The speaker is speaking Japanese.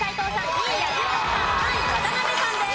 ２位彌十郎さん３位渡辺さんです。